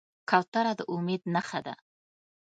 کوتره د امید نښه ده.